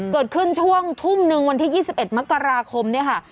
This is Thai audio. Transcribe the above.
เกิดขึ้นช่วงทุ่มหนึ่งวันที่๒๑มกราคมเนี่ยค่ะ